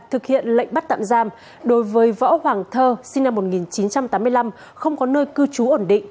thực hiện lệnh bắt tạm giam đối với võ hoàng thơ sinh năm một nghìn chín trăm tám mươi năm không có nơi cư trú ổn định